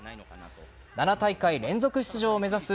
７大会連続出場を目指す